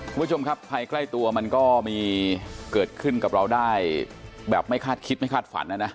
คุณผู้ชมครับภัยใกล้ตัวมันก็มีเกิดขึ้นกับเราได้แบบไม่คาดคิดไม่คาดฝันนะนะ